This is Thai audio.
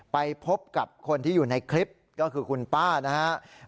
ไปพบกับคนที่อยู่ในคลิปก็คือคุณป้านะครับ